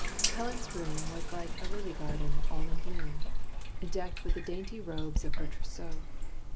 Helen's room Was like a lily garden, all in bloom, Decked with the dainty robes of her trousseau.